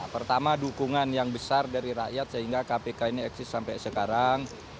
pertama dukungan yang besar dari rakyat sehingga kpk ini eksis sampai sekarang